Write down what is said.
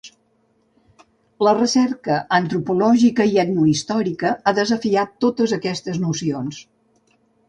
La recerca antropològica i etnohistòrica ha desafiat totes aquestes nocions.